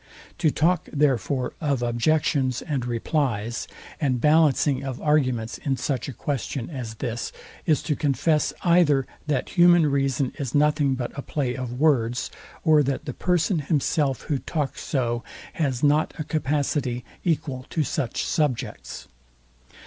To talk therefore of objections and replies, and ballancing of arguments in such a question as this, is to confess, either that human reason is nothing but a play of words, or that the person himself, who talks so, has not a Capacity equal to such subjects.